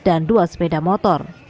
dan dua sepeda motor